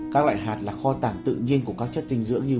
các loại hạt là kho tàng tự nhiên của các chất dinh dưỡng như